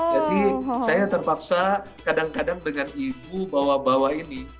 jadi saya terpaksa kadang kadang dengan ibu bawa bawa ini